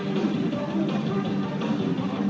ตรงตรงตรงตรง